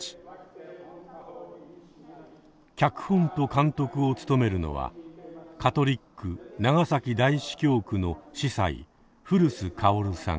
脚本と監督を務めるのはカトリック長崎大司教区の司祭古巣馨さん